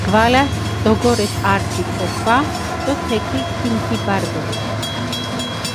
გვალას დოგორეს ართი ფოქვა დო თექი ქიმთიბარგესჷ.